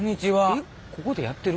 えっここでやってる？